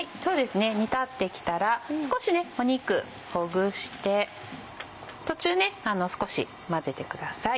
煮立ってきたら少し肉ほぐして途中少し混ぜてください。